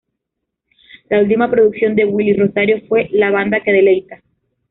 La última producción de Willie Rosario fue ""La Banda Que Deleita"".